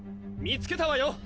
見つけたわよ